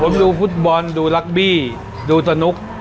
ผมดูฟุตบอลดูลักบี้ดูสนุก